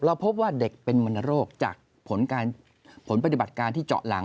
พบว่าเด็กเป็นมณโรคจากผลปฏิบัติการที่เจาะหลัง